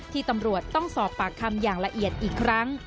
ตำรวจต้องสอบปากคำอย่างละเอียดอีกครั้ง